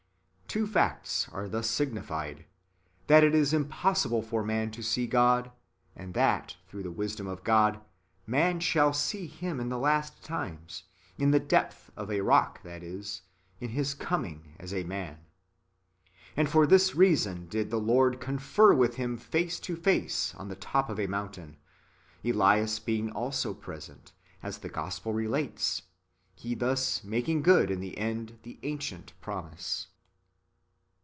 "^ Two facts are thus signified : that it is impos sible for man to see God ; and that, through the wisdom of God, man shall see Him in the last times, in the depth of a rock, that is, in His coming as a man. And for this reason did He [the Lord] confer with him face to face on the top of a mountain, Elias being also present, as the Gospel relates,'' He thus making good in the end the ancient promise.